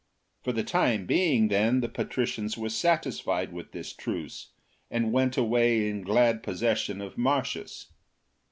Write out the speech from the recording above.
XIX. For the time being, then, the patricians were satisfied with this truce, and went away in glad poss ession of Marcius.